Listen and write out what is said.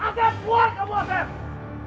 asef keluar kamu asef